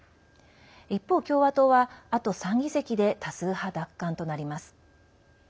一方、共和党は、あと３議席で多数派奪還となります。